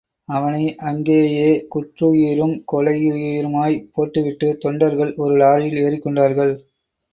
அவனை, அங்கேயே குற்றுயிரும், கொலையுயிருமாய் போட்டுவிட்டு, தொண்டர்கள், ஒரு லாரியில் ஏறிக் கொண்டார்கள்.